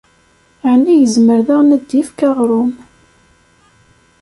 Ɛni yezmer daɣen ad d-ifk aɣrum.